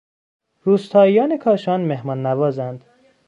روستائیان کاشان مهمان نوازند.